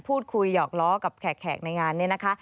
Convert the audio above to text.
หยอกล้อกับแขกในงานนี้นะคะ